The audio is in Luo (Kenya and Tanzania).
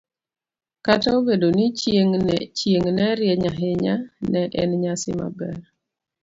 Kata obedo ni chieng' ne rieny ahinya, ne en nyasi maber.